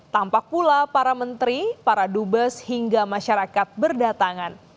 tampak pula para menteri para dubes hingga masyarakat berdatangan